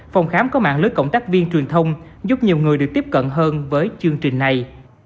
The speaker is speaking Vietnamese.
phòng khám có mạng lưới cộng tác viên truyền thông giúp nhiều người được tiếp cận hơn với chương trình này